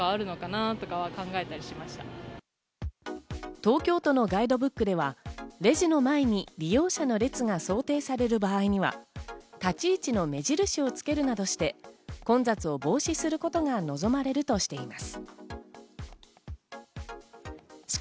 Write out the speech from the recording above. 東京都のガイドブックではレジの前に利用者の列が想定される場合には、立ち位置の目印をつけるなどして混雑を防止することが望まれるとしています。